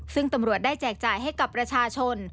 ซึ่งตำรวจได้แจกจ่ายให้กับประชาชน